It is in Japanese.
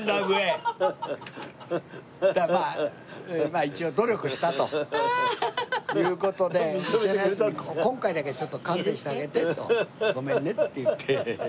まあまあ一応努力したという事で店のヤツに「今回だけちょっと勘弁してあげて」と「ごめんね」って言って。